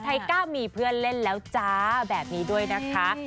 ไทยกล้ามีเพื่อนเล่นแล้วจ้าแบบนี้ด้วยนะคะ